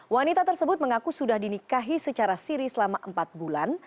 wanita tersebut mengaku sudah dinikahi secara siri selama empat bulan